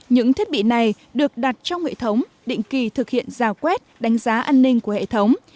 những thiết bị này được đặt trong hệ thống định kỳ thực hiện rào quét đánh giá an ninh của hệ thống